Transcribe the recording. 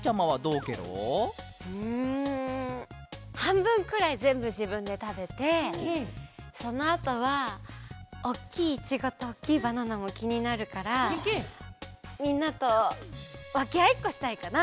うんはんぶんくらいぜんぶじぶんでたべてそのあとはおっきいイチゴとおっきいバナナもきになるからみんなとわけあいっこしたいかな。